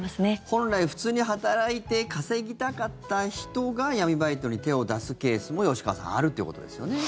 本来普通に働いて稼ぎたかった人が闇バイトに手を出すケースも吉川さん、あるってことですね。